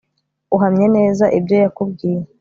uhamye neza ibyo yakubwiye